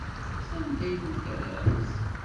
Sanda ay ten-terramt?